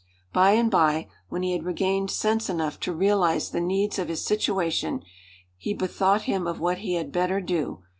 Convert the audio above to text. By and by, when he had regained sense enough to realize the needs of his situation, he bethought him of what he had better do.